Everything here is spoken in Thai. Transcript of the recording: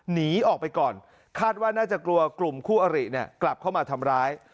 หนีออกไปก่อนคาดว่าน่าจะกลัวกลุ่มคู่อริเนี่ยกลับเข้ามาทำร้าย